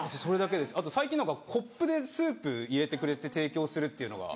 あと最近何かコップでスープ入れてくれて提供するっていうのが。